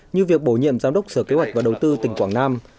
như việc bổ nhiệm giám đốc sở kế hoạch và đầu tư tỉnh quảng nam